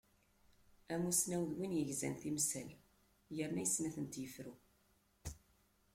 Amusnaw d win yegzan timsal yerna yessen ad atent-yefru.